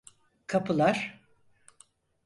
Kapılar!